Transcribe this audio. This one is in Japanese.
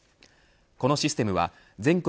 このシステムは全国